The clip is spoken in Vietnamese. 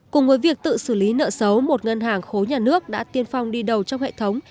cùng với việc tự xử lý nợ xấu một ngân hàng khối nhà nước đã tiên phong đi đầu trong hệ thống